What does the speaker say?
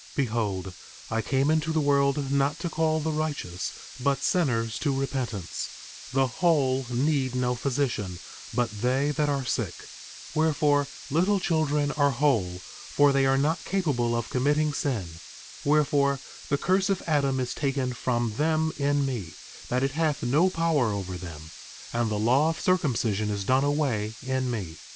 Behold, I came into the world not to call the righteous but sinners to repentance; the whole need no physician, but they that are sick; wherefore, little children are whole, for they are not capable of committing sin; wherefore the curse of Adam is taken from them in me, that it hath no power over them; and the law of circumcision is done away in me.